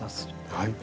はい。